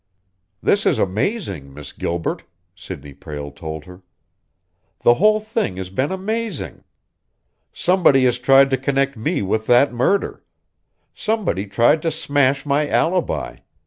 "This is amazing, Miss Gilbert!" Sidney Prale told her. "The whole thing has been amazing. Somebody has tried to connect me with that murder. Somebody tried to smash my alibi.